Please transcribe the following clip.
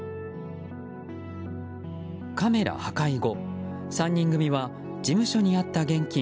カメラ破壊後、３人組は事務所にあった現金